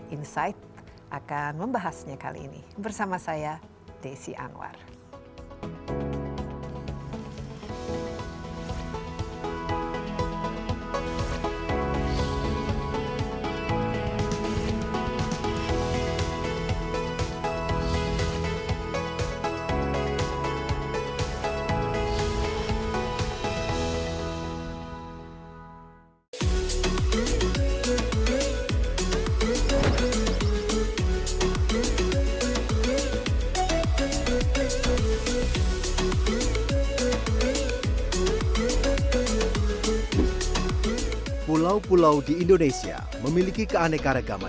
dua puluh dua insight akan membahasnya kali ini bersama saya desi anwar